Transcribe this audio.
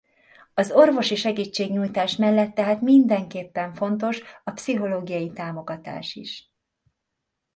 Az orvosi segítségnyújtás mellett tehát mindenképpen fontos a pszichológiai támogatás is.